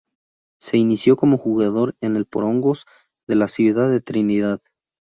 Se inició como jugador en el Porongos, de la ciudad de Trinidad.